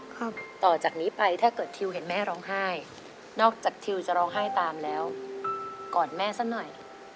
ต่อจากนี้ไปถ้าเกิดทิวเห็นแม่ร้องไห้นอกจากทิวจะร้องไห้ตามแล้วกอดแม่ซะหน่อย